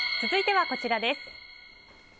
続いてはこちらです。